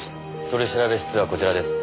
取調室はこちらです。